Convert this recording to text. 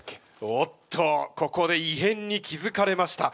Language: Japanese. おっとここでいへんに気付かれました。